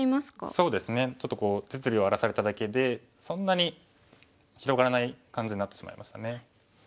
そうですねちょっと実利を荒らされただけでそんなに広がらない感じになってしまいましたね。